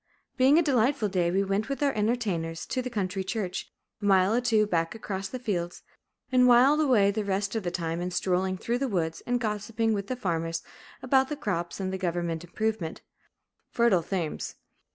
Being a delightful day, we went with our entertainers to the country church, a mile or two back across the fields, and whiled away the rest of the time in strolling through the woods and gossiping with the farmers about the crops and the government improvement, fertile themes.